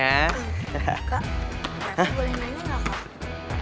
kak raffi boleh main ga